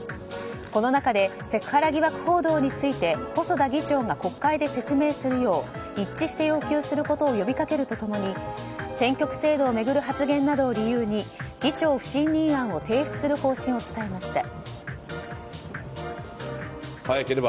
この中でセクハラ疑惑報道について細田議長が国会で説明するよう一致して要求することを呼び掛けると共に選挙区制度を巡る発言などを理由に議長不信任案を提出する方針を伝えました。